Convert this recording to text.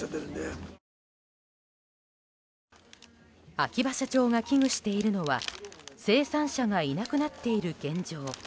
秋葉社長が危惧しているのは生産者がいなくなっている現状。